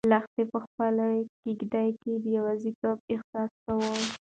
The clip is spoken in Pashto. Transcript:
لښتې په خپله کيږدۍ کې د یوازیتوب احساس کاوه.